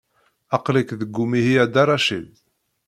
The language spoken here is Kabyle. Aql-ik deg umihi, a Dda Racid.